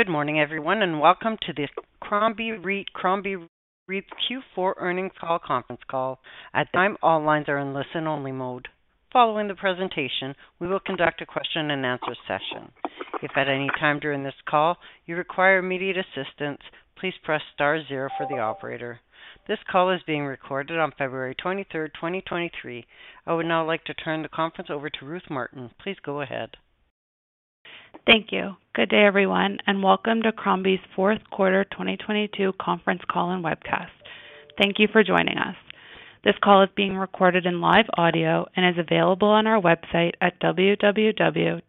Good morning, everyone, and welcome to the Crombie REIT's Q4 earnings call conference call. At this time, all lines are in listen-only mode. Following the presentation, we will conduct a question-and-answer session. If at any time during this call you require immediate assistance, please press star zero for the operator. This call is being recorded on February 23rd, 2023. I would now like to turn the conference over to Ruth Martin. Please go ahead. Thank you. Good day, everyone, and welcome to Crombie's fourth quarter 2022 conference call and webcast. Thank you for joining us. This call is being recorded in live audio and is available on our website at www.crombie.ca.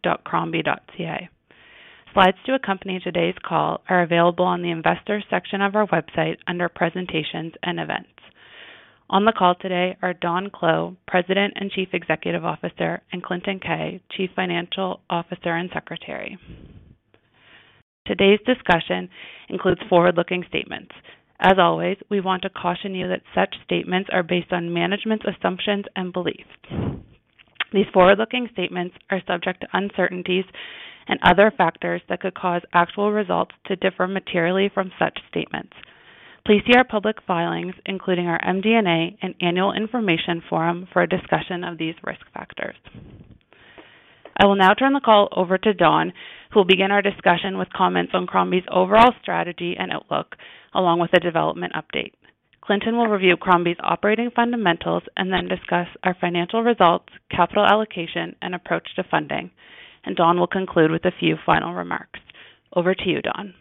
Slides to accompany today's call are available on the Investors section of our website under Presentations and Events. On the call today are Don Clow, President and Chief Executive Officer, and Clinton Keay, Chief Financial Officer and Secretary. Today's discussion includes forward-looking statements. As always, we want to caution you that such statements are based on management's assumptions and beliefs. These forward-looking statements are subject to uncertainties and other factors that could cause actual results to differ materially from such statements. Please see our public filings, including our MD&A and Annual Information Form for a discussion of these risk factors. I will now turn the call over to Don, who will begin our discussion with comments on Crombie's overall strategy and outlook, along with a development update. Clinton will review Crombie's operating fundamentals and then discuss our financial results, capital allocation, and approach to funding. Don will conclude with a few final remarks. Over to you, Don.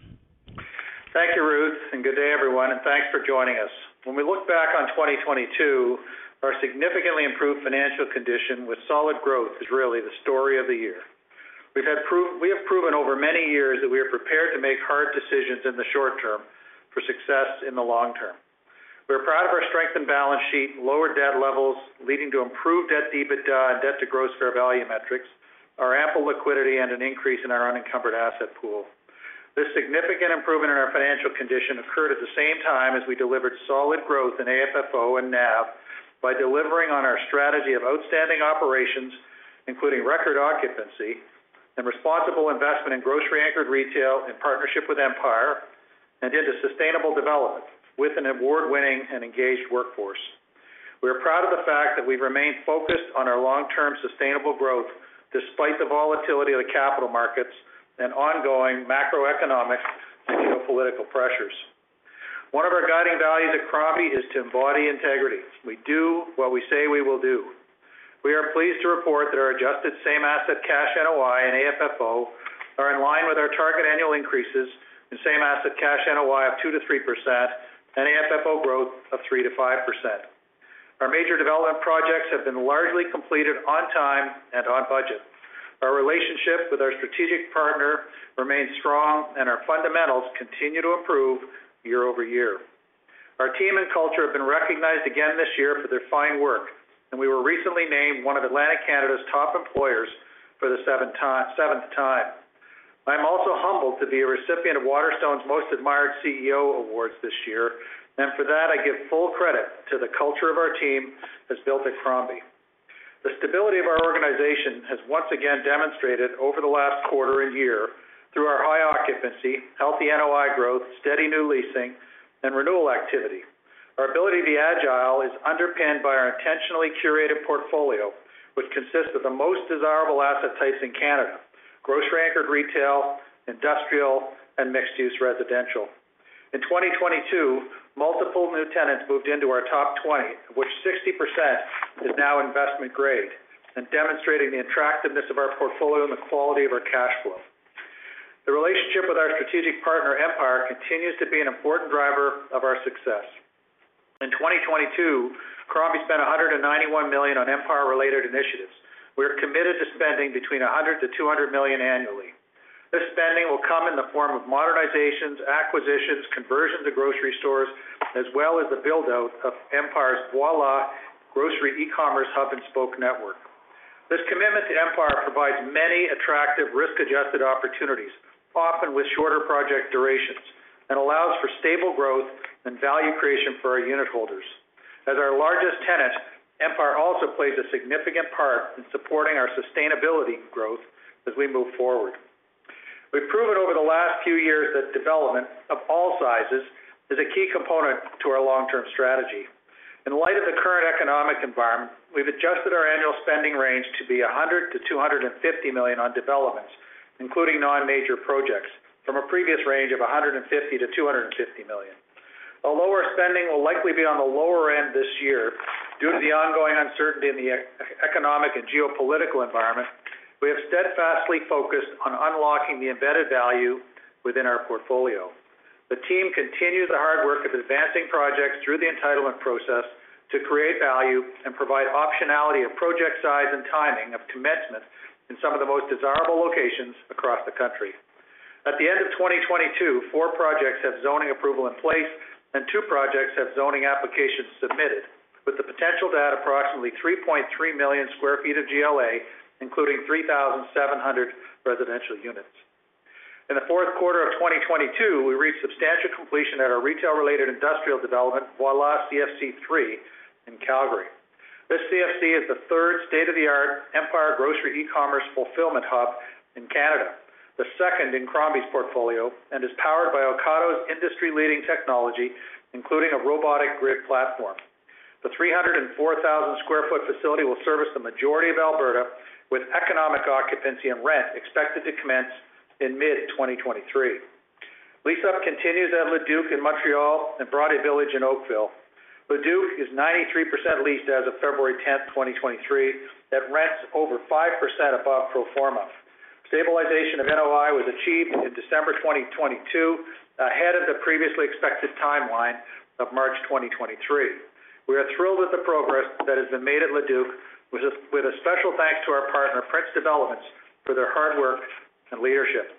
Thank you, Ruth. Good day, everyone, and thanks for joining us. When we look back on 2022, our significantly improved financial condition with solid growth is really the story of the year. We have proven over many years that we are prepared to make hard decisions in the short term for success in the long term. We're proud of our strength and balance sheet, lower debt levels, leading to improved debt to EBITDA and debt to gross fair value metrics, our ample liquidity and an increase in our unencumbered asset pool. This significant improvement in our financial condition occurred at the same time as we delivered solid growth in AFFO and NAV by delivering on our strategy of outstanding operations, including record occupancy and responsible investment in grocery-anchored retail in partnership with Empire, and into sustainable development with an award-winning and engaged workforce. We are proud of the fact that we've remained focused on our long-term sustainable growth despite the volatility of the capital markets and ongoing macroeconomic and geopolitical pressures. One of our guiding values at Crombie is to embody integrity. We do what we say we will do. We are pleased to report that our adjusted same asset cash NOI and AFFO are in line with our target annual increases in same asset cash NOI of 2%-3% and AFFO growth of 3%-5%. Our major development projects have been largely completed on time and on budget. Our relationship with our strategic partner remains strong and our fundamentals continue to improve year-over-year. Our team and culture have been recognized again this year for their fine work, and we were recently named one of Atlantic Canada's top employers for the seventh time. I'm also humbled to be a recipient of Waterstone's Most Admired CEO Awards this year. For that, I give full credit to the culture of our team that's built at Crombie. The stability of our organization has once again demonstrated over the last quarter and year through our high occupancy, healthy NOI growth, steady new leasing, and renewal activity. Our ability to be agile is underpinned by our intentionally curated portfolio, which consists of the most desirable asset types in Canada: grocery-anchored retail, industrial, and mixed-use residential. In 2022, multiple new tenants moved into our top 20, of which 60% is now investment-grade and demonstrating the attractiveness of our portfolio and the quality of our cash flow. The relationship with our strategic partner, Empire, continues to be an important driver of our success. In 2022, Crombie spent 191 million on Empire-related initiatives. We are committed to spending between 100 million to 200 million annually. This spending will come in the form of modernizations, acquisitions, conversion to grocery stores, as well as the build-out of Empire's Voilà Grocery eCommerce hub and spoke network. This commitment to Empire provides many attractive risk-adjusted opportunities, often with shorter project durations, and allows for stable growth and value creation for our unitholders. As our largest tenant, Empire also plays a significant part in supporting our sustainability growth as we move forward. We've proven over the last few years that development of all sizes is a key component to our long-term strategy. In light of the current economic environment, we've adjusted our annual spending range to be 100 million to 250 million on developments, including non-major projects from a previous range of 150 million to 250 million. A lower spending will likely be on the lower end this year. Due to the ongoing uncertainty in the economic and geopolitical environment, we have steadfastly focused on unlocking the embedded value within our portfolio. The team continues the hard work of advancing projects through the entitlement process to create value and provide optionality of project size and timing of commencement in some of the most desirable locations across the country. At the end of 2022, four projects have zoning approval in place and two projects have zoning applications submitted with the potential to add approximately 3.3 million sq ft of GLA, including 3,700 residential units. In the fourth quarter of 2022, we reached substantial completion at our retail-related industrial development, Voilà CFC 3 in Calgary. This CFC is the third state-of-the-art Empire eCommerce fulfillment hub in Canada, the second in Crombie's portfolio, and is powered by Ocado's industry-leading technology, including a robotic grid platform. The 304,000 sq ft facility will service the majority of Alberta with economic occupancy and rent expected to commence in mid-2023. Lease-up continues at Le Duc in Montreal and Broadway Village in Oakville. Le Duc is 93% leased as of February 10th, 2023, at rents over 5% above pro forma. Stabilization of NOI was achieved in December 2022, ahead of the previously expected timeline of March 2023. We are thrilled with the progress that has been made at Le Duc, with a special thanks to our partner, Prince Developments, for their hard work and leadership.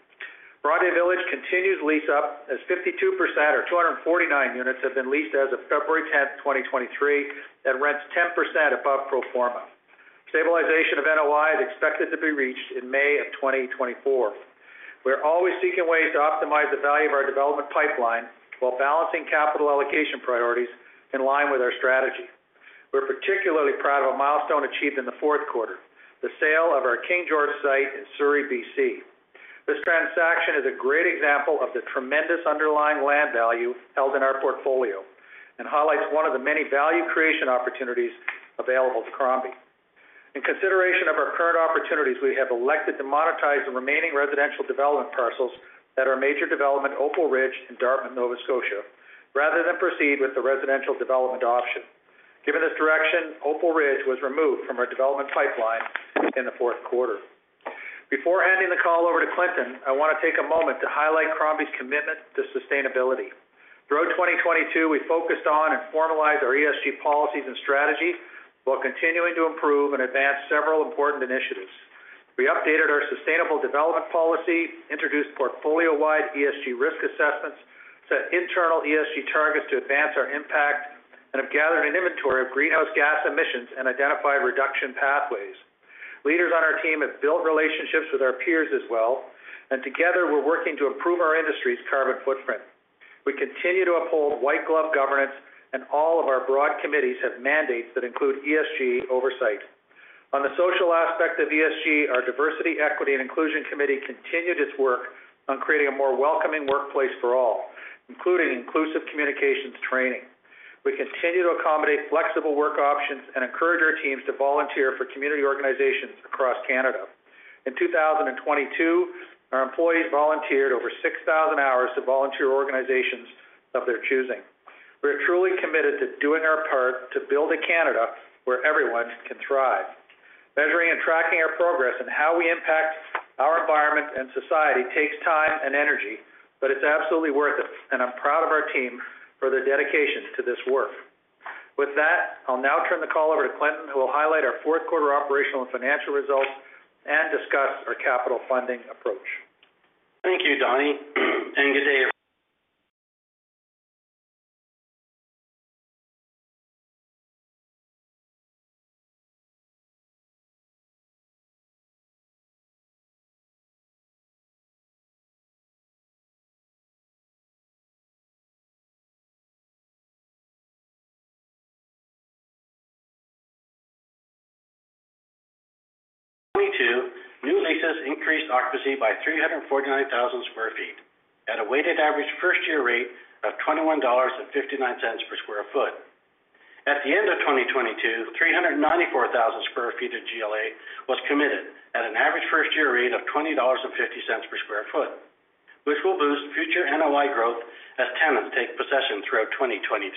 Broadway Village continues lease up as 52% or 249 units have been leased as of February 10, 2023, at rents 10% above pro forma. Stabilization of NOI is expected to be reached in May of 2024. We are always seeking ways to optimize the value of our development pipeline while balancing capital allocation priorities in line with our strategy. We're particularly proud of a milestone achieved in the fourth quarter, the sale of our King George site in Surrey, BC. This transaction is a great example of the tremendous underlying land value held in our portfolio and highlights one of the many value creation opportunities available to Crombie. In consideration of our current opportunities, we have elected to monetize the remaining residential development parcels at our major development, Opal Ridge in Dartmouth, Nova Scotia, rather than proceed with the residential development option. Given this direction, Opal Ridge was removed from our development pipeline in the fourth quarter. Before handing the call over to Clinton, I wanna take a moment to highlight Crombie's commitment to sustainability. Throughout 2022, we focused on and formalized our ESG policies and strategy while continuing to improve and advance several important initiatives. We updated our sustainable development policy, introduced portfolio-wide ESG risk assessments, set internal ESG targets to advance our impact, and have gathered an inventory of greenhouse gas emissions and identified reduction pathways. Leaders on our team have built relationships with our peers as well. Together, we are working to improve our industry's carbon footprint. We continue to uphold white-glove governance, and all of our broad committees have mandates that include ESG oversight. On the social aspect of ESG, our Diversity, Equity and Inclusion committee continued its work on creating a more welcoming workplace for all, including inclusive communications training. We continue to accommodate flexible work options and encourage our teams to volunteer for community organizations across Canada. In 2022, our employees volunteered over 6,000 hours to volunteer organizations of their choosing. We are truly committed to doing our part to build a Canada where everyone can thrive. Measuring and tracking our progress and how we impact our environment and society takes time and energy, but it's absolutely worth it, and I'm proud of our team for their dedication to this work. I'll now turn the call over to Clinton, who will highlight our fourth quarter operational and financial results and discuss our capital funding approach. Thank you, Donnie, and good day. Two new leases increased occupancy by 349,000 sq ft at a weighted average first-year rate of 21.59 dollars per sq ft. At the end of 2022, 394,000 sq ft of GLA was committed at an average first-year rate of 20.50 dollars per sq ft, which will boost future NOI growth as tenants take possession throughout 2023.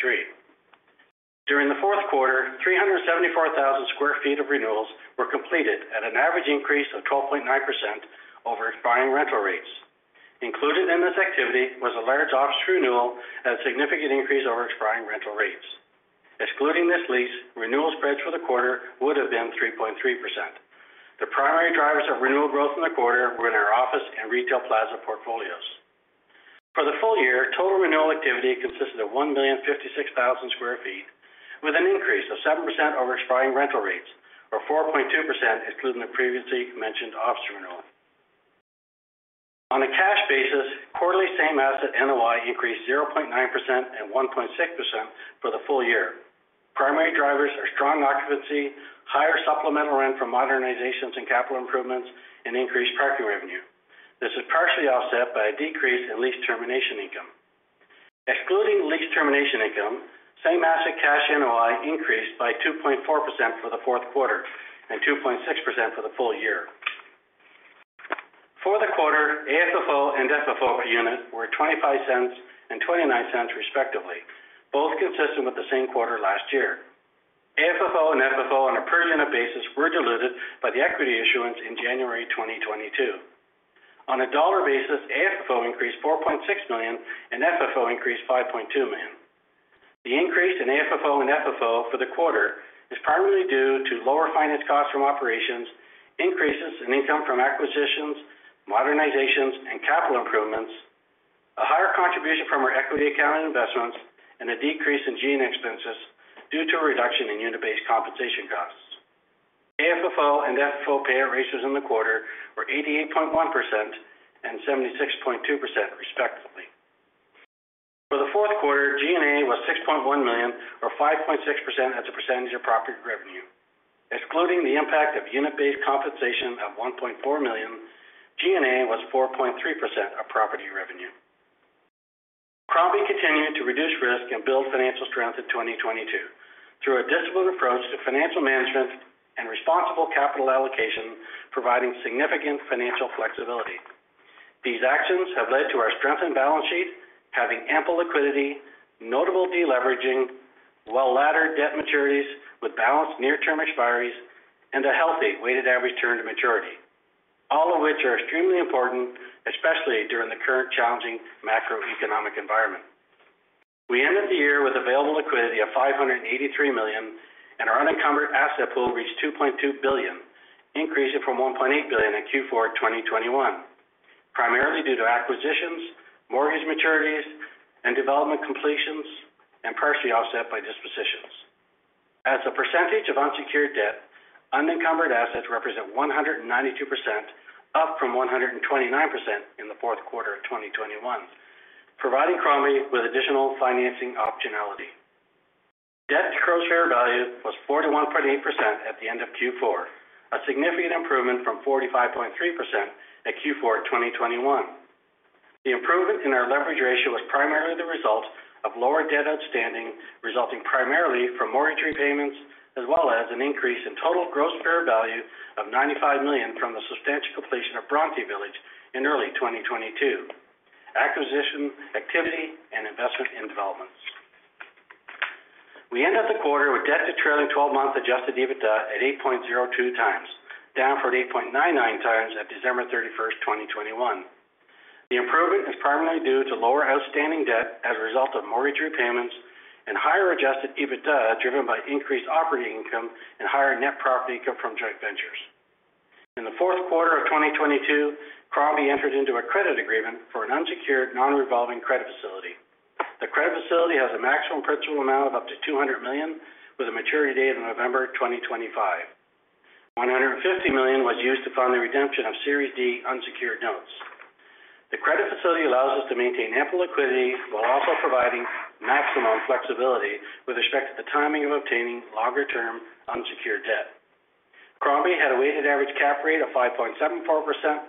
During the fourth quarter, 374,000 sq ft of renewals were completed at an average increase of 12.9% over expiring rental rates. Included in this activity was a large office renewal at a significant increase over expiring rental rates. Excluding this lease, renewal spreads for the quarter would have been 3.3%. The primary drivers of renewal growth in the quarter were in our office and retail plaza portfolios. For the full year, total renewal activity consisted of 1,056,000 sq ft with an increase of 7% over expiring rental rates, or 4.2% including the previously mentioned office renewal. On a cash basis, quarterly same asset NOI increased 0.9% and 1.6% for the full year. Primary drivers are strong occupancy, higher supplemental rent from modernizations and capital improvements, and increased parking revenue. This is partially offset by a decrease in lease termination income. Excluding lease termination income, same asset cash NOI increased by 2.4% for the fourth quarter and 2.6% for the full year. For the quarter, AFFO and FFO per unit were 0.25 and 0.29 respectively, both consistent with the same quarter last year. AFFO and FFO on a per unit basis were diluted by the equity issuance in January 2022. On a dollar basis, AFFO increased 4.6 million and FFO increased 5.2 million. The increase in AFFO and FFO for the quarter is primarily due to lower finance costs from operations, increases in income from acquisitions, modernizations, and capital improvements, a higher contribution from our equity account and investments, and a decrease in G&A expenses due to a reduction in unit-based compensation costs. AFFO and FFO payout ratios in the quarter were 88.1% and 76.2%, respectively. Fourth quarter G&A was 6.1 million or 5.6% as a percentage of property revenue. Excluding the impact of unit-based compensation of 1.4 million, G&A was 4.3% of property revenue. Crombie continued to reduce risk and build financial strength in 2022 through a disciplined approach to financial management and responsible capital allocation, providing significant financial flexibility. These actions have led to our strengthened balance sheet having ample liquidity, notable de-leveraging, well-laddered debt maturities with balanced near-term expiries, and a healthy weighted average term to maturity. All of which are extremely important, especially during the current challenging macroeconomic environment. We ended the year with available liquidity of 583 million, and our unencumbered asset pool reached 2.2 billion, increasing from 1.8 billion in Q4 2021, primarily due to acquisitions, mortgage maturities, and development completions, and partially offset by dispositions. As a percentage of unsecured debt, unencumbered assets represent 192%, up from 129% in the fourth quarter of 2021, providing Crombie with additional financing optionality. Debt to gross share value was 41.8% at the end of Q4, a significant improvement from 45.3% at Q4 2021. The improvement in our leverage ratio was primarily the result of lower debt outstanding, resulting primarily from mortgage repayments, as well as an increase in total gross fair value of $95 million from the substantial completion of Broadway Village in early 2022. Acquisition activity and investment in developments. We end up the quarter with debt to trailing twelve-month adjusted EBITDA at 8.02 times, down from 8.99 times at December 31st, 2021. The improvement is primarily due to lower outstanding debt as a result of mortgage repayments and higher adjusted EBITDA, driven by increased operating income and higher net property income from joint ventures. In the fourth quarter of 2022, Crombie entered into a credit agreement for an unsecured non-revolving credit facility. The credit facility has a maximum principal amount of up to 200 million with a maturity date of November 2025. 150 million was used to fund the redemption of Series D unsecured notes. The credit facility allows us to maintain ample liquidity while also providing maximum flexibility with respect to the timing of obtaining longer-term unsecured debt. Crombie had a weighted average cap rate of 5.74%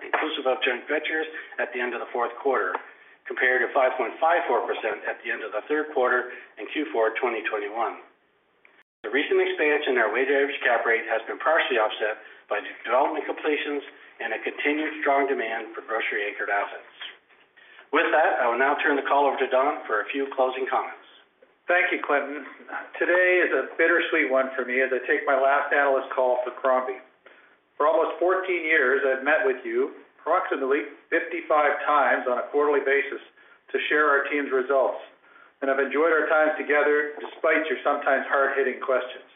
inclusive of joint ventures at the end of the fourth quarter, compared to 5.54% at the end of the third quarter in Q4 2021. The recent expansion in our weighted average cap rate has been partially offset by new development completions and a continued strong demand for grocery-anchored assets. With that, I will now turn the call over to Don for a few closing comments. Thank you, Clinton. Today is a bittersweet one for me as I take my last analyst call for Crombie. For almost 14 years, I've met with you approximately 55 times on a quarterly basis to share our team's results, and I've enjoyed our time together despite your sometimes hard-hitting questions.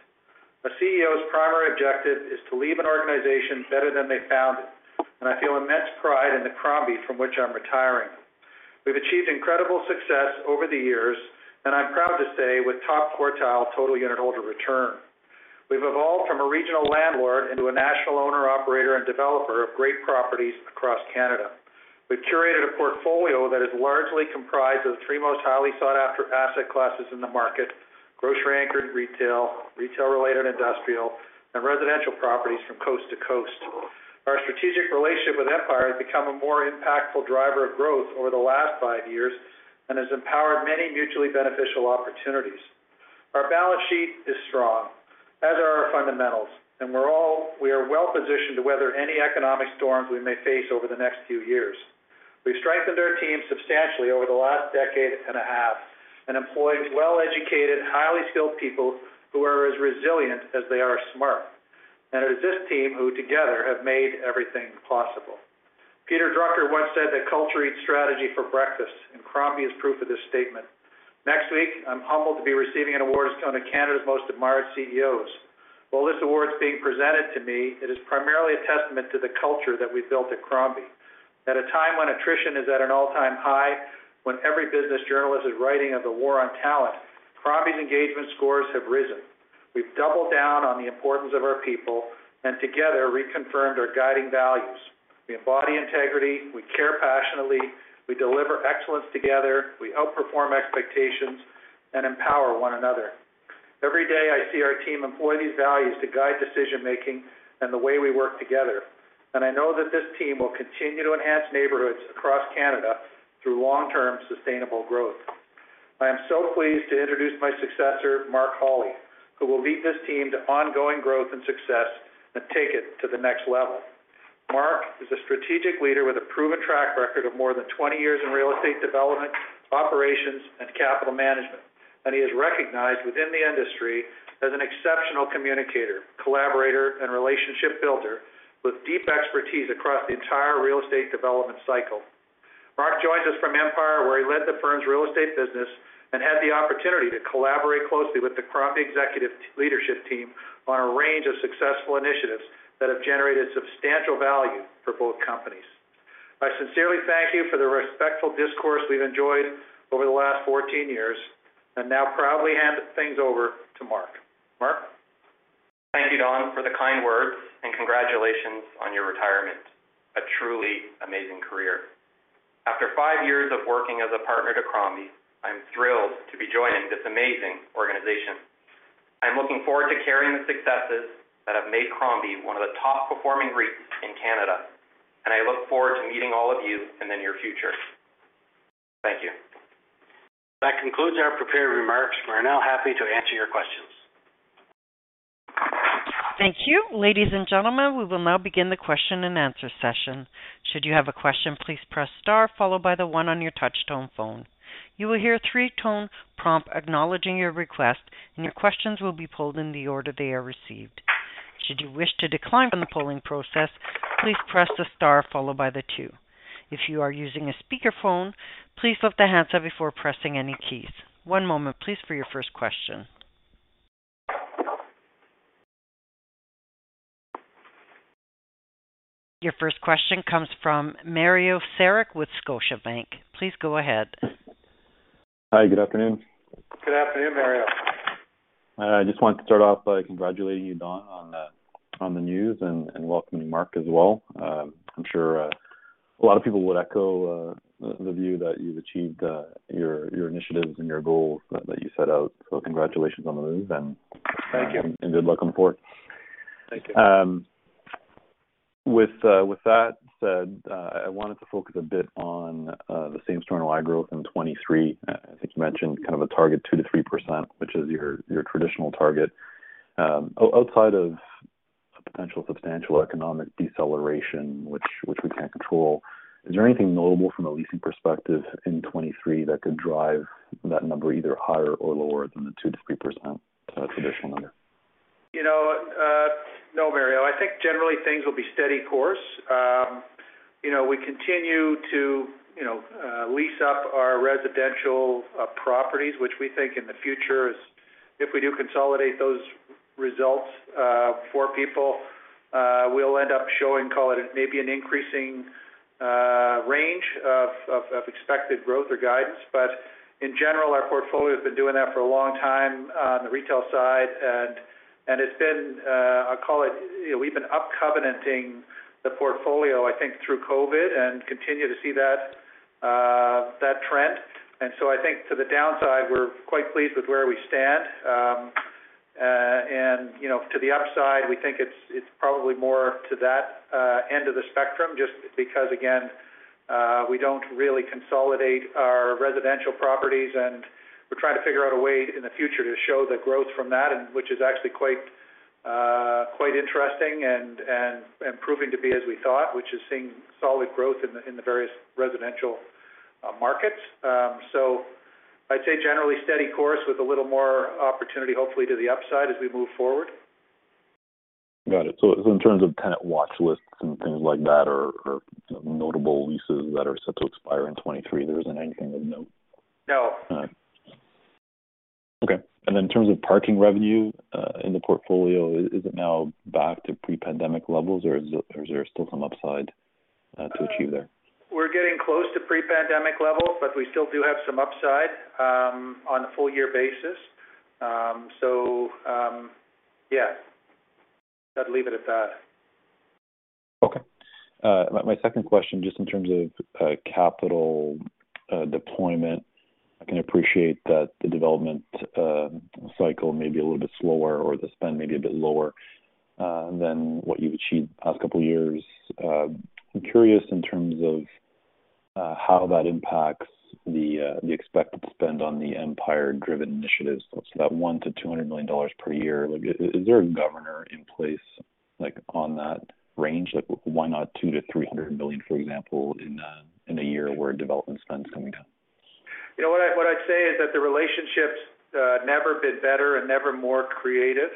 A CEO's primary objective is to leave an organization better than they found it, and I feel immense pride in the Crombie from which I'm retiring. We've achieved incredible success over the years, and I'm proud to say with top-quartile total unit holder return. We've evolved from a regional landlord into a national owner, operator, and developer of great properties across Canada. We've curated a portfolio that is largely comprised of the three most highly sought-after asset classes in the market: grocery-anchored retail-related industrial, and residential properties from coast to coast. Our strategic relationship with Empire has become a more impactful driver of growth over the last five years and has empowered many mutually beneficial opportunities. Our balance sheet is strong, as are our fundamentals, we are well-positioned to weather any economic storms we may face over the next few years. We've strengthened our team substantially over the last decade and a half and employed well-educated, highly skilled people who are as resilient as they are smart. It is this team who together have made everything possible. Peter Drucker once said that culture eats strategy for breakfast, and Crombie is proof of this statement. Next week, I'm humbled to be receiving an award as one of Canada's Most Admired CEOs. While this award is being presented to me, it is primarily a testament to the culture that we built at Crombie. At a time when attrition is at an all-time high, when every business journalist is writing of the war on talent, Crombie's engagement scores have risen. We've doubled down on the importance of our people, and together reconfirmed our guiding values. We embody integrity, we care passionately, we deliver excellence together, we outperform expectations, and empower one another. Every day, I see our team employ these values to guide decision-making and the way we work together, and I know that this team will continue to enhance neighborhoods across Canada through long-term sustainable growth. I am so pleased to introduce my successor, Mark Holle, who will lead this team to ongoing growth and success and take it to the next level. Mark is a strategic leader with a proven track record of more than 20 years in real estate development, operations, and capital management. He is recognized within the industry as an exceptional communicator, collaborator, and relationship builder with deep expertise across the entire real estate development cycle. Mark joins us from Empire, where he led the firm's real estate business and had the opportunity to collaborate closely with the Crombie executive leadership team on a range of successful initiatives that have generated substantial value for both companies. I sincerely thank you for the respectful discourse we've enjoyed over the last 14 years and now proudly hand things over to Mark. Mark? Congratulations on your retirement. A truly amazing career. After five years of working as a partner to Crombie, I'm thrilled to be joining this amazing organization. I'm looking forward to carrying the successes that have made Crombie one of the top-performing REITs in Canada, and I look forward to meeting all of you in the near future. Thank you. That concludes our prepared remarks. We are now happy to answer your questions. Thank you. Ladies and gentlemen, we will now begin the question and answer session. Should you have a question, please press star one on your touchtone phone. You will hear a three-tone prompt acknowledging your request, and your questions will be pulled in the order they are received. Should you wish to decline from the polling process, please press star two. If you are using a speakerphone, please lift the handset before pressing any keys. One moment please for your first question. Your first question comes from Mario Saric with Scotiabank. Please go ahead. Hi, good afternoon. Good afternoon, Mario. I just want to start off by congratulating you, Don, on the news and welcoming Mark as well. I'm sure a lot of people would echo the view that you've achieved your initiatives and your goals that you set out. Congratulations on the move. Thank you. Good luck going forward. Thank you. With that said, I wanted to focus a bit on the same store NOI growth in 2023. I think you mentioned kind of a target 2%-3%, which is your traditional target. Outside of potential substantial economic deceleration which we can't control, is there anything notable from a leasing perspective in 2023 that could drive that number either higher or lower than the 2%-3% traditional number? You know, no, Mario. I think generally things will be steady course. You know, we continue to, you know, lease up our residential properties, which we think in the future is if we do consolidate those results for people, we'll end up showing, call it, maybe an increasing range of expected growth or guidance. In general, our portfolio has been doing that for a long time on the retail side, and it's been, I'll call it, you know, we've been up covenanting the portfolio, I think, through COVID and continue to see that trend. I think to the downside, we're quite pleased with where we stand. You know, to the upside, we think it's probably more to that end of the spectrum just because, again, we don't really consolidate our residential properties, and we're trying to figure out a way in the future to show the growth from that and which is actually quite interesting and proving to be as we thought, which is seeing solid growth in the various residential markets. I'd say generally steady course with a little more opportunity, hopefully to the upside as we move forward. Got it. In terms of tenant watch lists and things like that or notable leases that are set to expire in 23, there isn't anything of note? No. All right. Okay. In terms of parking revenue, in the portfolio, is it now back to pre-pandemic levels, or is there still some upside to achieve there? We're getting close to pre-pandemic levels, but we still do have some upside, on a full year basis. Yeah, I'd leave it at that. Okay. My second question, just in terms of capital deployment, I can appreciate that the development cycle may be a little bit slower or the spend may be a bit lower than what you've achieved the past couple of years. I'm curious in terms of how that impacts the expected spend on the Empire-driven initiatives. That 100 million-200 million dollars per year. Is there a governor in place like on that range? Why not 200 million-300 million, for example, in a year where development spend is coming down? You know what I'd say is that the relationship's never been better and never more creative.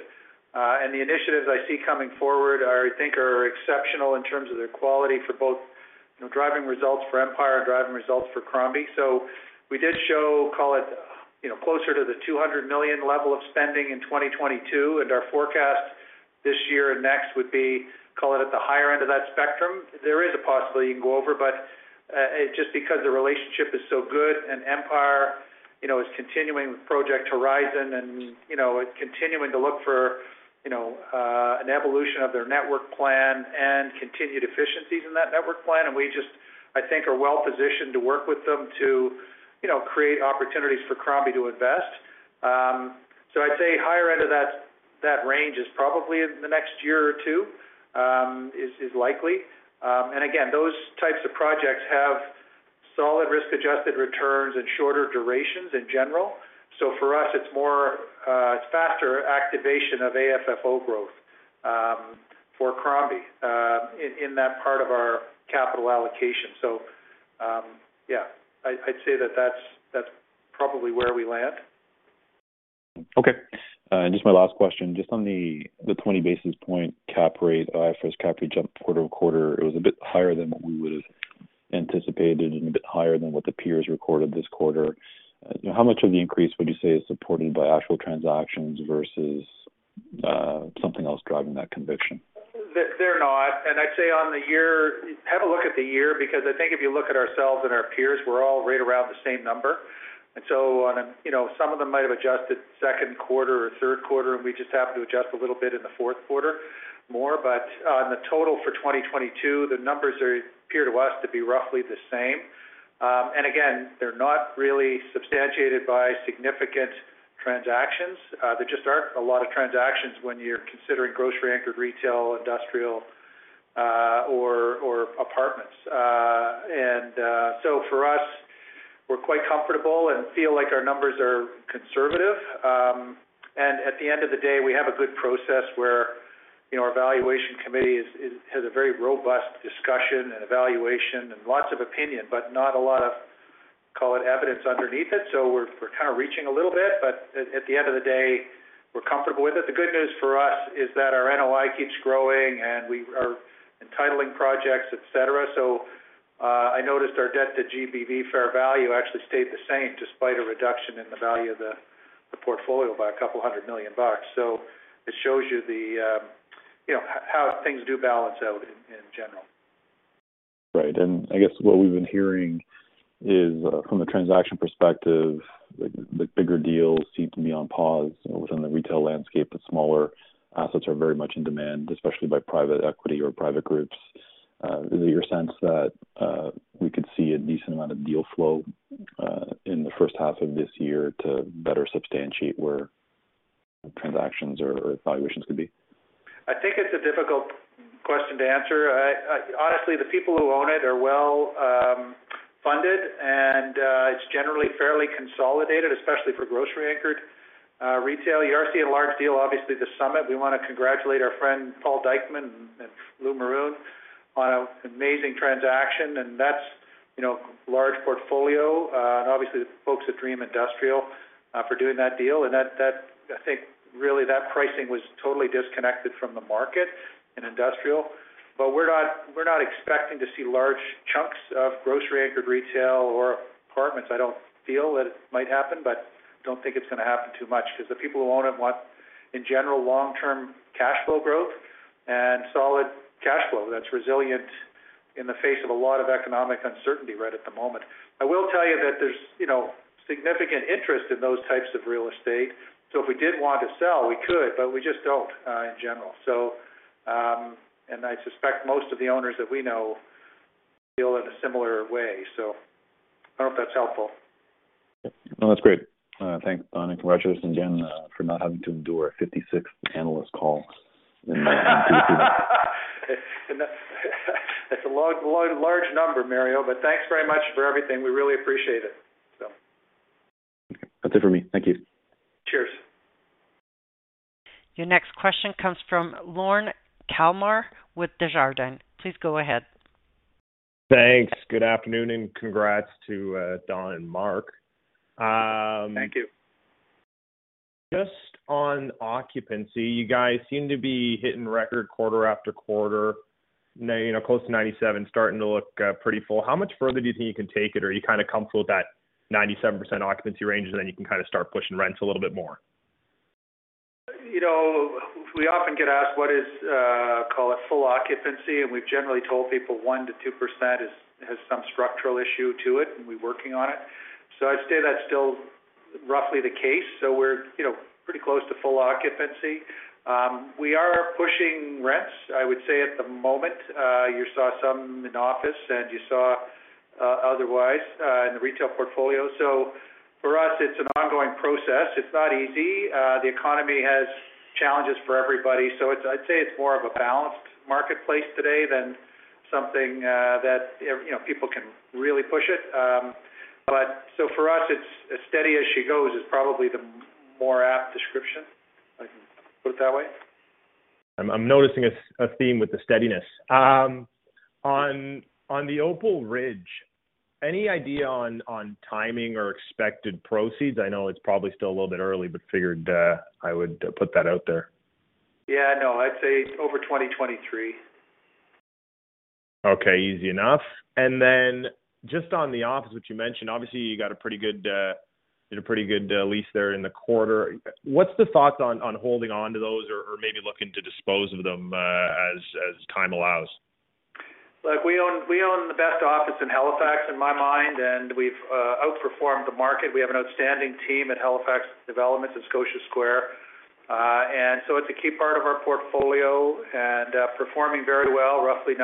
The initiatives I see coming forward are, I think, are exceptional in terms of their quality for both, you know, driving results for Empire and driving results for Crombie. We did show, call it, you know, closer to the 200 million level of spending in 2022. Our forecast this year and next would be, call it at the higher end of that spectrum. There is a possibility you can go over, just because the relationship is so good and Empire, you know, is continuing with Project Horizon and, you know, continuing to look for, you know, an evolution of their network plan and continued efficiencies in that network plan. We just, I think, are well positioned to work with them to, you know, create opportunities for Crombie to invest. I'd say higher end of that range is probably in the next year or two, is likely. Again, those types of projects have solid risk-adjusted returns and shorter durations in general. For us, it's more, it's faster activation of AFFO growth for Crombie in that part of our capital allocation. Yeah, I'd say that's probably where we land. Okay. Just my last question, just on the 20 basis point cap rate, IFRS cap rate jump quarter-over-quarter, it was a bit higher than what we would have anticipated and a bit higher than what the peers recorded this quarter. How much of the increase would you say is supported by actual transactions versus, something else driving that conviction? They're not. I'd say on the year. Have a look at the year because I think if you look at ourselves and our peers, we're all right around the same number. You know, some of them might have adjusted second quarter or third quarter, and we just have to adjust a little bit in the fourth quarter more. On the total for 2022, the numbers appear to us to be roughly the same. Again, they're not really substantiated by significant transactions. There just aren't a lot of transactions when you're considering grocery-anchored retail, industrial, or apartments. For us, we're quite comfortable and feel like our numbers are conservative. At the end of the day, we have a good process where, you know, our valuation committee is has a very robust discussion and evaluation and lots of opinion, but not a lot of, call it evidence underneath it. We're kind of reaching a little bit, but at the end of the day, we're comfortable with it. The good news for us is that our NOI keeps growing and we are entitling projects, et cetera. I noticed our debt to GBV fair value actually stayed the same despite a reduction in the value of the portfolio by $200 million. It shows you the, you know, how things do balance out in general. Right. I guess what we've been hearing is, from a transaction perspective, the bigger deals seem to be on pause within the retail landscape, but smaller assets are very much in demand, especially by private equity or private groups. Is it your sense that we could see a decent amount of deal flow in the first half of this year to better substantiate where transactions or valuations could be? I think it's a difficult question to answer. I honestly, the people who own it are well funded, and it's generally fairly consolidated, especially for grocery-anchored retail. You are seeing a large deal, obviously, this summer. We want to congratulate our friend Paul Dykeman and Lou Maroun on an amazing transaction. That's, you know, large portfolio, and obviously the folks at Dream Industrial for doing that deal. I think really that pricing was totally disconnected from the market in industrial. We are not expecting to see large chunks of grocery-anchored retail or apartments. I don't feel that it might happen, but don't think it's going to happen too much because the people who own it want, in general, long-term cash flow growth and solid cash flow that's resilient in the face of a lot of economic uncertainty right at the moment. I will tell you that there's, you know, significant interest in those types of real estate. If we did want to sell, we could, but we just don't in general. I suspect most of the owners that we know feel in a similar way. I don't know if that's helpful. No, that's great. Thanks, Don. Congratulations again, for not having to endure a 56th analyst call. That's a large number, Mario. Thanks very much for everything. We really appreciate it. That's it for me. Thank you. Cheers. Your next question comes from Lorne Kalmar with Desjardins. Please go ahead. Thanks. Good afternoon, and congrats to Don and Mark. Thank you. Just on occupancy, you guys seem to be hitting record quarter after quarter. Now, you know, close to 97, starting to look pretty full. How much further do you think you can take it? Are you kind of comfortable with that 97% occupancy range, and then you can kind of start pushing rents a little bit more? You know, we often get asked what is, call it full occupancy, and we've generally told people 1% to 2% has some structural issue to it, and we're working on it. I'd say that's still roughly the case. We're, you know, pretty close to full occupancy. We are pushing rents, I would say, at the moment. You saw some in office and you saw, otherwise, in the retail portfolio. For us, it's an ongoing process. It's not easy. The economy has challenges for everybody. I'd say it's more of a balanced marketplace today than something that, you know, people can really push it. For us, it's as steady as she goes is probably the more apt description. I can put it that way. I'm noticing a theme with the steadiness. On the Opal Ridge, any idea on timing or expected proceeds? I know it's probably still a little bit early, but figured I would put that out there. Yeah, no, I'd say over 2023. Okay, easy enough. Just on the office, which you mentioned, obviously, you did a pretty good lease there in the quarter. What's the thoughts on holding onto those or maybe looking to dispose of them as time allows? Look, we own the best office in Halifax in my mind, and we've outperformed the market. We have an outstanding team at Halifax Developments in Scotia Square. It's a key part of our portfolio and performing very well, roughly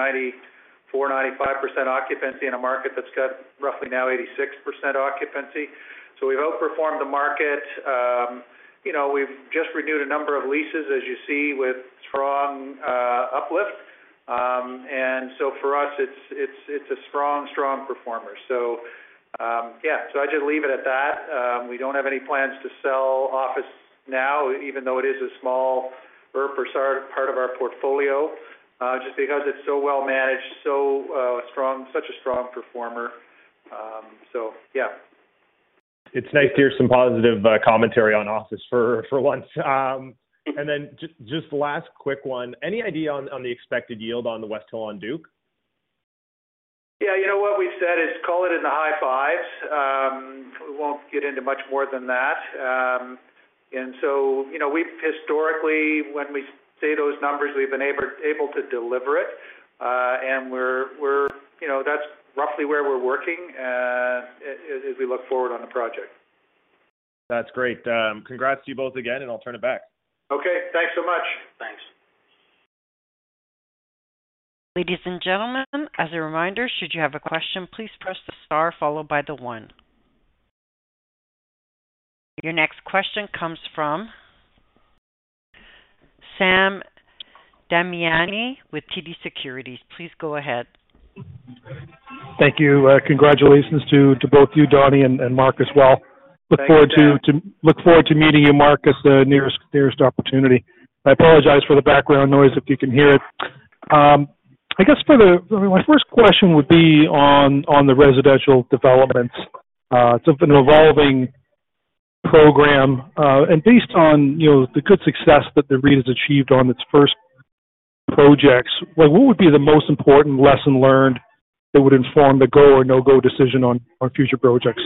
94%-95% occupancy in a market that's got roughly now 86% occupancy. We've outperformed the market. You know, we've just renewed a number of leases, as you see, with strong uplift. For us, it's a strong performer. Yeah. I just leave it at that. We don't have any plans to sell office now, even though it is a small or part of our portfolio, just because it's so well managed, such a strong performer. Yeah. It's nice to hear some positive commentary on office for once. Just last quick one. Any idea on the expected yield on the Westhill on Duke? Yeah, you know what we've said is call it in the high fives. We won't get into much more than that. You know, we've historically, when we say those numbers, we've been able to deliver it. We're, we're, you know, that's roughly where we're working, as we look forward on the project. That's great. congrats to you both again, and I'll turn it back. Okay, thanks so much. Thanks. Ladies and gentlemen, as a reminder, should you have a question, please press the star followed by the one. Your next question comes from Sam Damiani with TD Securities, please go ahead. Thank you. Congratulations to both of you, Donny and Mark as well. Thanks. Look forward to meeting you, Mark, at the nearest opportunity. I apologize for the background noise, if you can hear it. I guess my first question would be on the residential developments. It's an evolving program. Based on, you know, the good success that the REIT has achieved on its first projects, what would be the most important lesson learned that would inform the go or no-go decision on future projects?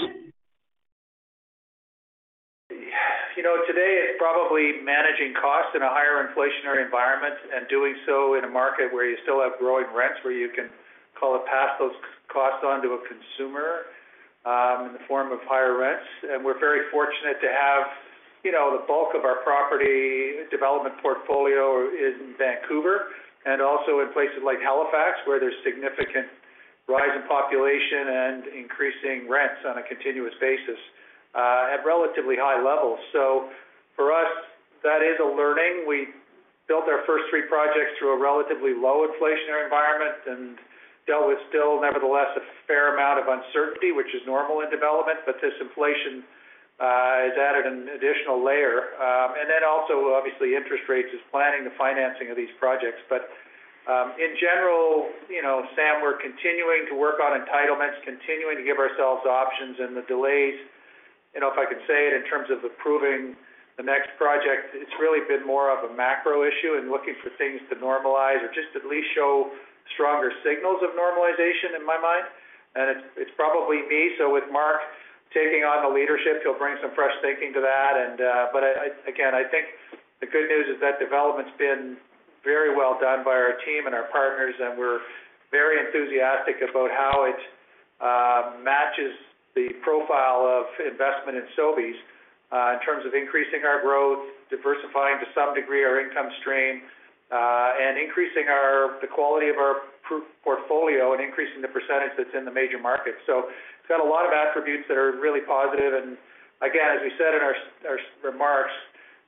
You know, today, it's probably managing costs in a higher inflationary environment and doing so in a market where you still have growing rents, where you can call it pass those costs on to a consumer, in the form of higher rents. We're very fortunate to have, you know, the bulk of our property development portfolio in Vancouver and also in places like Halifax, where there's significant rise in population and increasing rents on a continuous basis, at relatively high levels. For us, that is a learning. We built our first three projects through a relatively low inflationary environment and dealt with still, nevertheless, a fair amount of uncertainty, which is normal in development. This inflation has added an additional layer. Also, obviously, interest rates is planning the financing of these projects. In general, you know, Sam, we're continuing to work on entitlements, continuing to give ourselves options. The delays, you know, if I could say it in terms of approving the next project, it's really been more of a macro issue and looking for things to normalize or just at least show stronger signals of normalization in my mind. It's probably me. With Mark taking on the leadership, he'll bring some fresh thinking to that. Again, I think the good news is that development's been very well done by our team and our partners, and we're very enthusiastic about how it matches the profile of investment in Sobeys in terms of increasing our growth, diversifying to some degree our income stream and increasing the quality of our portfolio and increasing the percentage that's in the major market. It's got a lot of attributes that are really positive. Again, as we said in our remarks,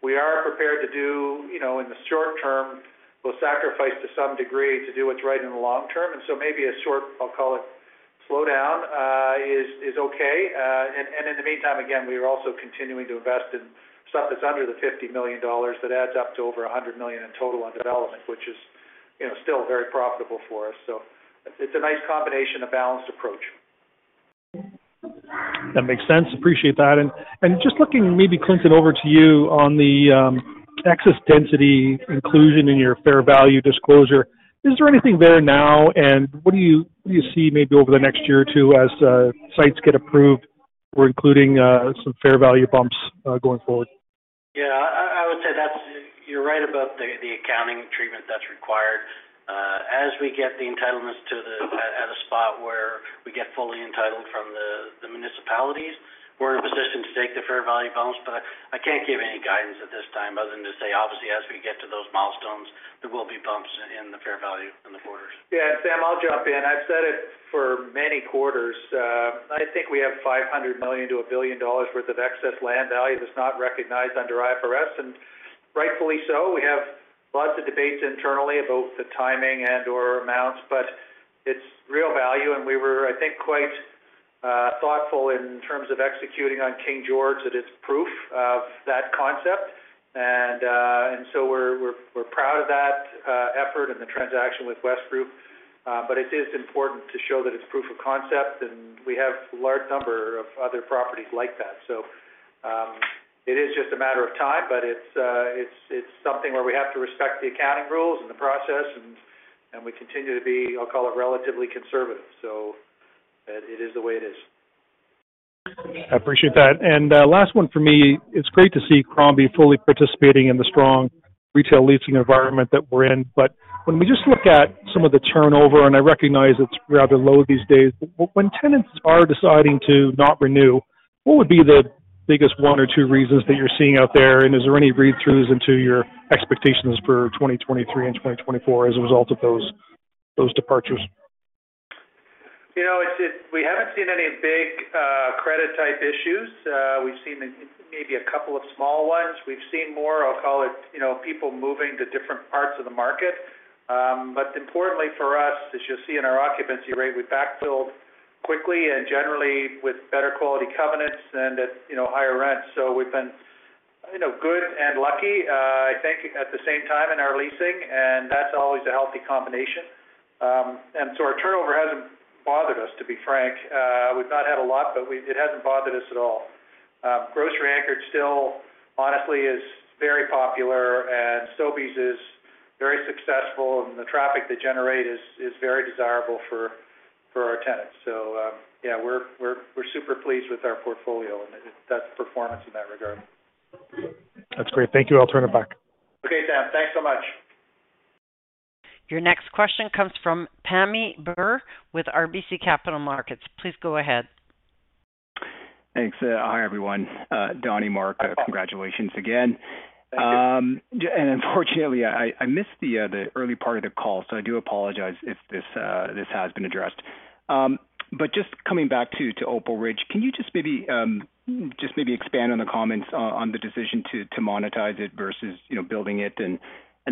we are prepared to do, you know, in the short term, we'll sacrifice to some degree to do what's right in the long term. Maybe a short, I'll call it, slowdown is okay. In the meantime, again, we are also continuing to invest in stuff that's under 50 million dollars that adds up to over 100 million in total on development, which is, you know, still very profitable for us. It's a nice combination, a balanced approach. That makes sense. Appreciate that. Just looking maybe, Clinton, over to you on the excess density inclusion in your fair value disclosure. Is there anything there now? What do you see maybe over the next year or two as sites get approved for including some fair value bumps going forward? Yeah. I would say you're right about the accounting treatment that's required. As we get the entitlements. Okay. At a spot where we get fully entitled from the municipalities, we're in a position to take the fair value bumps. I can't give any guidance at this time other than to say, obviously, as we get to those milestones, there will be bumps in the fair value in the quarters. Yeah. Sam, I'll jump in. I've said it for many quarters. I think we have 500 million to one billion dollars worth of excess land value that's not recognized under IFRS, and rightfully so. We have lots of debates internally about the timing and/or amounts, but it's real value. We were, I think, quite thoughtful in terms of executing on King George, that it's proof of that concept. We're proud of that effort and the transaction with Westbank. It is important to show that it's proof of concept, we have a large number of other properties like that. It is just a matter of time, it's something where we have to respect the accounting rules and the process, we continue to be, I'll call it, relatively conservative. It is the way it is. I appreciate that. Last one for me. It's great to see Crombie fully participating in the strong retail leasing environment that we're in. When we just look at some of the turnover, and I recognize it's rather low these days, but when tenants are deciding to not renew, what would be the biggest one or two reasons that you're seeing out there? Is there any read-throughs into your expectations for 2023 and 2024 as a result of those departures? You know, it's, we haven't seen any big credit type issues. We've seen maybe a couple of small ones. We've seen more, I'll call it, you know, people moving to different parts of the market. Importantly for us, as you'll see in our occupancy rate, we backfilled quickly and generally with better quality covenants and at, you know, higher rents. We've been, you know, good and lucky, I think at the same time in our leasing, and that's always a healthy combination. Our turnover hasn't bothered us, to be frank. We've not had a lot, it hasn't bothered us at all. Grocery anchored still honestly is very popular, Sobeys is very successful, and the traffic they generate is very desirable for our tenants. Yeah, we're super pleased with our portfolio and that's performance in that regard. That's great. Thank you. I'll turn it back. Okay, Sam. Thanks so much. Your next question comes from Pammi Bir with RBC Capital Markets. Please go ahead. Thanks. Hi, everyone. Don, Mark. Hi. Congratulations again. Thank you. Unfortunately, I missed the early part of the call, so I do apologize if this has been addressed. Just coming back to Opal Ridge, can you just maybe expand on the comments on the decision to monetize it versus, you know, building it?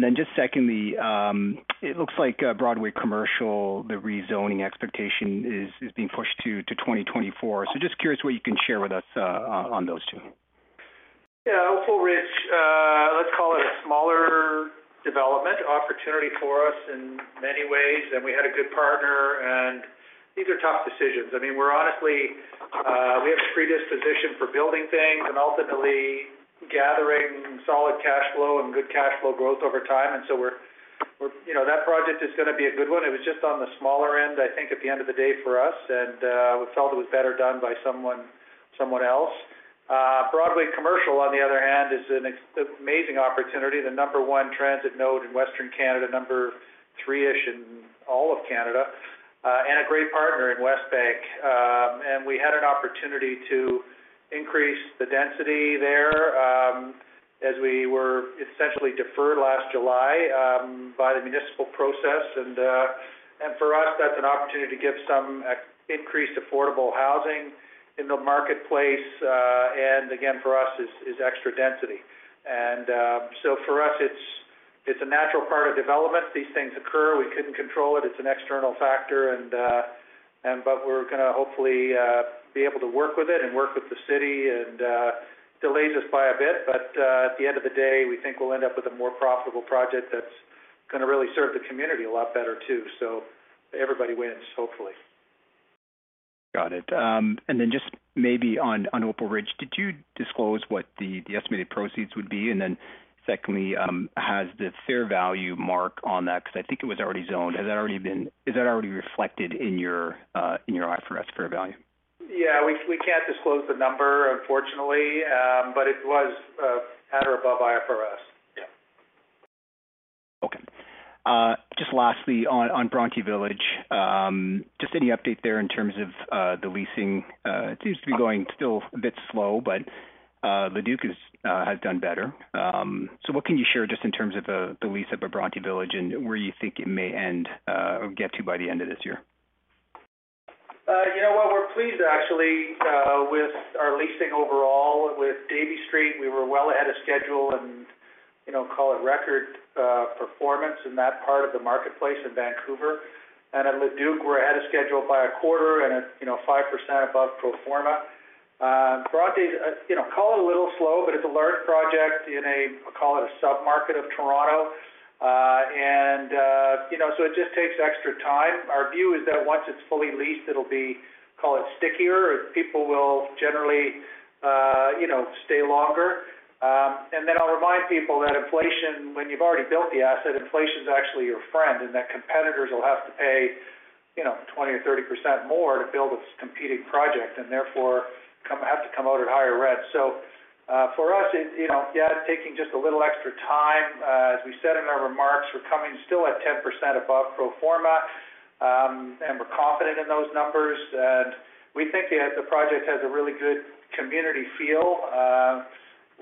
Then just secondly, it looks like Broadway Commercial, the rezoning expectation is being pushed to 2024. Just curious what you can share with us on those two. Yeah. Opal Ridge, let's call it a smaller development opportunity for us in many ways, and we had a good partner, and these are tough decisions. I mean, we're honestly, we have a predisposition for building things and ultimately gathering solid cash flow and good cash flow growth over time. We're, You know, that project is gonna be a good one. It was just on the smaller end, I think, at the end of the day for us, and we felt it was better done by someone else. Broadway Commercial, on the other hand, is an ex-amazing opportunity. The number one transit node in Western Canada, number three-ish in all of Canada, and a great partner in Westbank. We had an opportunity to increase the density there as we were essentially deferred last July by the municipal process. For us, that's an opportunity to get some increased affordable housing in the marketplace. Again, for us is extra density. For us, it's a natural part of development. These things occur. We couldn't control it. It's an external factor and but we're gonna hopefully be able to work with it and work with the city and delays us by a bit. At the end of the day, we think we'll end up with a more profitable project that's gonna really serve the community a lot better too. Everybody wins, hopefully. Got it. Just maybe on Opal Ridge, did you disclose what the estimated proceeds would be? Secondly, has the fair value mark on that... 'Cause I think it was already zoned. Is that already reflected in your IFRS fair value? Yeah. We can't disclose the number unfortunately, but it was at or above IFRS. Yeah. Just lastly, on Broadway Village, just any update there in terms of the leasing? It seems to be going still a bit slow, but Le Duc is has done better. What can you share just in terms of the lease at the Broadway Village and where you think it may end or get to by the end of this year? You know what? We're pleased actually, with our leasing overall. With Davie Street, we were well ahead of schedule and, you know, call it record performance in that part of the marketplace in Vancouver. At Le Duc, we're ahead of schedule by a quarter and at, you know, 5% above pro forma. Bronte's, you know, call it a little slow, but it's a large project in a, call it a sub-market of Toronto. You know, so it just takes extra time. Our view is that once it's fully leased, it'll be, call it stickier, or people will generally, you know, stay longer. Then I'll remind people that inflation, when you've already built the asset, inflation's actually your friend, and that competitors will have to pay, you know, 20% or 30% more to build a competing project, and therefore, have to come out at higher rents. For us, it, you know, yeah, it's taking just a little extra time. As we said in our remarks, we're coming still at 10% above pro forma. We're confident in those numbers. We think the project has a really good community feel.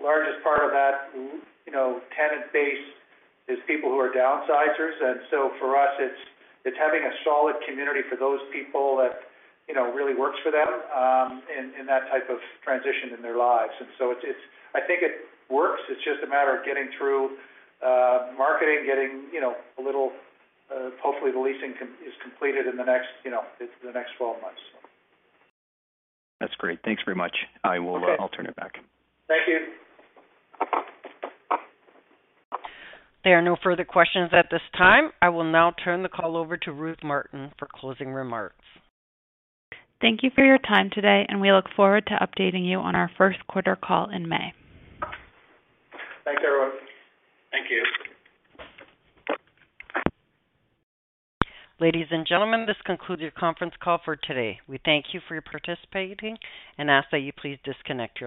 Largest part of that, you know, tenant base is people who are downsizers. For us, it's having a solid community for those people that, you know, really works for them, in that type of transition in their lives. It's, I think it works. It's just a matter of getting through marketing, getting, you know, a little, hopefully the leasing is completed in the next, you know, in the next 12 months. That's great. Thanks very much. Okay. I will, I'll turn it back. Thank you. There are no further questions at this time. I will now turn the call over to Ruth Martin for closing remarks. Thank you for your time today, and we look forward to updating you on our first quarter call in May. Thanks, everyone. Thank you. Ladies and gentlemen, this concludes your conference call for today. We thank you for participating and ask that you please disconnect your lines.